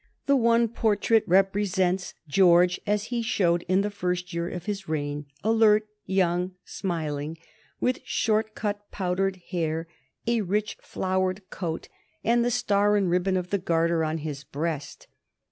The one portrait represents George as he showed in the first year of his reign alert, young, smiling, with short cut powdered hair, a rich flowered coat, and the star and ribbon of the Garter on his breast.